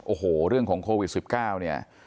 โอ้โหเรื่องของโควิด๑๙เนี่ย